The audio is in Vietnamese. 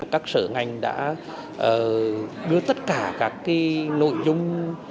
các sở ngành đã đưa tất cả các nội dung